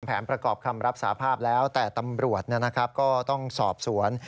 แผนประกอบคำรับสาภาพแล้วแต่ตำรวจก็ต้องสอบสวน